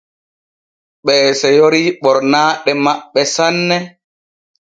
Ɓee seyori ɓornaaɗe maɓɓe sanne.